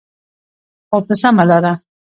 خو په سمه لاره.